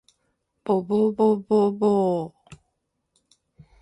ぼぼぼぼぼお